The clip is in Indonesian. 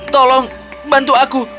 tolong bantu aku